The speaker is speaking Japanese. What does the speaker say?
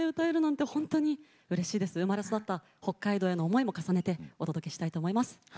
生まれ育った北海道への思いも重ねてお届けしたいと思います。